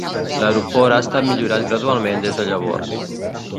L'aeroport ha estat millorat gradualment des de llavors.